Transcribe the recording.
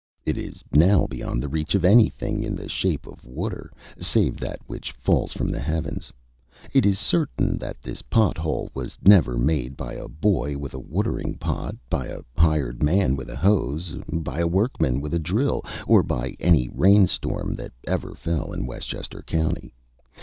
It is now beyond the reach of anything in the shape of water save that which falls from the heavens. It is certain that this pot hole was never made by a boy with a watering pot, by a hired man with a hose, by a workman with a drill, or by any rain storm that ever fell in Westchester County.